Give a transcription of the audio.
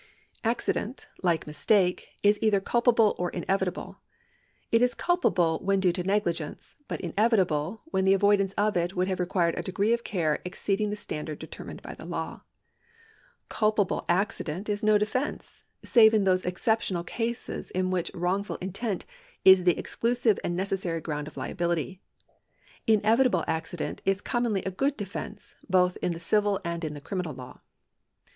Accident, Hke mistake, is either culpable or inevitable. It is culpable when due to negligence, but inevitable when the avoidance of it would have required a degree of care exceed ing the standard demanded by the law. Culpable accident is no defence, save in those exceptional cases in which wrongful intent is the exclusive and necessary ground of lia})ility. Inevitable accident is commonly a good defence, both in the civil and in the criminal law.